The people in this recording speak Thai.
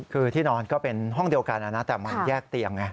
คือที่นอนก็เป็นห้องเดียวกันนะแต่มันแยกเตียงไง